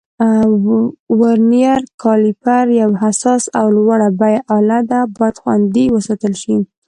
ورنیر کالیپر یو حساس او لوړه بیه آله ده، باید خوندي وساتل شي.